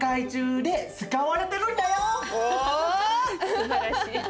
すばらしい。